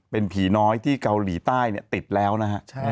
เป็นผีน้อยที่เกาหลีใต้ติดแล้วนะฮะ